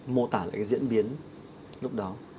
mô tả lại cái diễn biến lúc đó